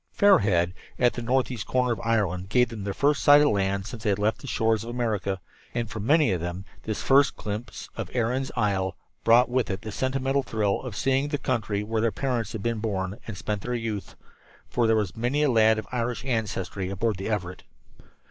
Fair Head, at the northeast corner of Ireland, gave them their first sight of land since they had left the shores of America; and for many of them this first glimpse of Erin's Isle brought with it the sentimental thrill of seeing the country where their parents had been born and spent their youth for there was many a lad of Irish ancestry aboard the Everett.